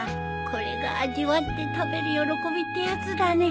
これが味わって食べる喜びってやつだね。